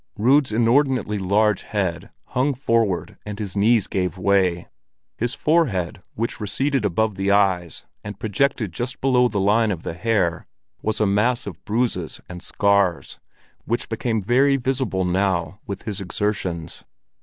Rud's inordinately large head hung forward and his knees gave way; his forehead, which receded above the eyes and projected just below the line of the hair, was a mass of bruises and scars, which became very visible now with his exertions.